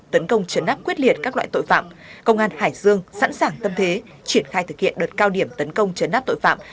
tấn công trấn áp quyết liệt các loại tội phạm công an hải dương sẵn sàng tâm thế triển khai thực hiện đợt cao điểm tấn công chấn áp tội phạm